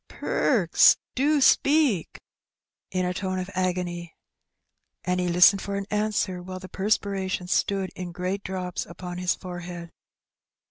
"Perks, do speak!" in a tone of agony. And he listened for an answer, while the perspiration stood in great drops upon his forehead.